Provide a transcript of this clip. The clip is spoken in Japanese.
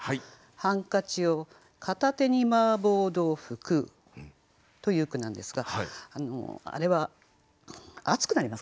「ハンカチを片手に麻婆豆腐食ふ」という句なんですがあれは熱くなりますからね。